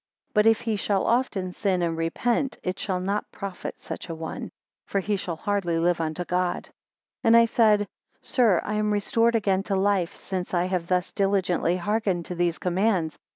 But if he shall often sin and repent, it shall not profit such a one; for he shall hardly live unto God. 23 And I said, Sir, I am restored again to life since I have thus diligently hearkened to these commands.